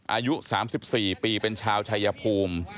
อายุ๓๔ปีเป็นชาวชายภูมิ